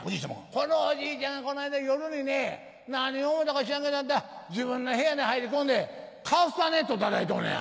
このおじいちゃんがこないだ夜にね何を思うたか知らんけどあんた自分の部屋に入り込んでカスタネットたたいとんねや。